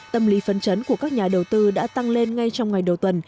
tâm lý phấn chấn của các nhà đầu tư đã tăng lên ngay trong ngày đầu tuần